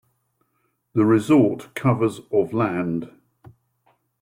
The resort covers of land.